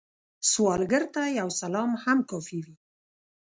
سوالګر ته یو سلام هم کافی وي